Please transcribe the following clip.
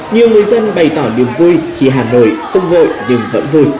nhiều người dân bày tỏ niềm vui khi hà nội không vội nhưng vẫn vui